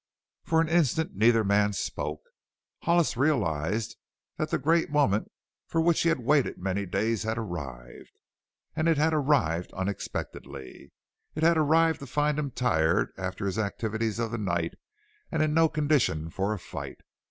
For an instant neither man spoke. Hollis realized that the great moment for which he had waited many days had arrived. And it had arrived unexpectedly. It had arrived to find him tired after his activities of the night and in no condition for a fight.